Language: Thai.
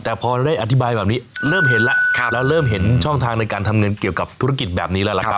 แต่พอได้อธิบายแบบนี้เริ่มเห็นแล้วแล้วเริ่มเห็นช่องทางในการทำเงินเกี่ยวกับธุรกิจแบบนี้แล้วล่ะครับ